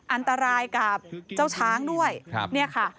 อันตรายกับเจ้าช้างด้วยเนี่ยค่ะ